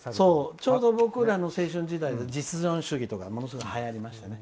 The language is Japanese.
ちょうど僕らの青春時代が実存主義とかものすごくはやりましたね。